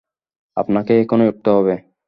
আপনাকে এখনই উঠতে হবে।